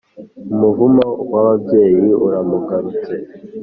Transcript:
umuvumo w'ababyeyi uramugarutse.